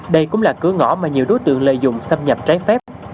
đây cũng là cửa ngõ mà nhiều đối tượng lợi dụng xâm nhập trái phép